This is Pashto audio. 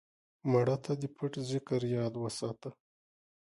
مړه ته د پټ ذکر یاد وساته